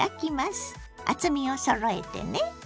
厚みをそろえてね。